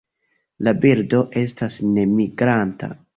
La birdo estas nemigranta.